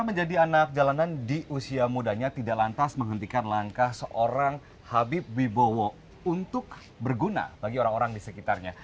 menjadi anak jalanan di usia mudanya tidak lantas menghentikan langkah seorang habib wibowo untuk berguna bagi orang orang di sekitarnya